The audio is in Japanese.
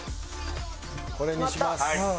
これにします。